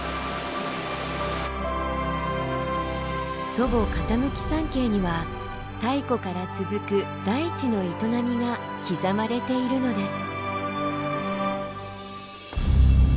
祖母・傾山系には太古から続く大地の営みが刻まれているのです。